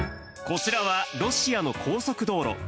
こちらはロシアの高速道路。